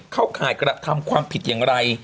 ข่ายกระทำความผิดอย่างไร